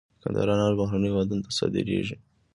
د کندهار انار بهرنیو هیوادونو ته صادریږي.